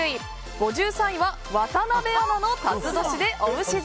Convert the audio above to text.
５３位は、渡辺アナの辰年でおうし座。